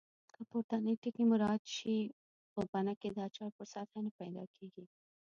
که پورتني ټکي مراعات شي پوپنکې د اچار پر سطحه نه پیدا کېږي.